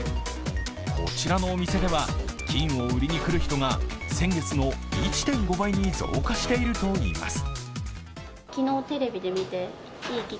こちらのお店では、金を売りに来る人が先月の１．５倍に増加しているといいます。